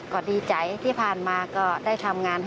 ก็ดีใจที่ผ่านมาก็ได้ทำงาน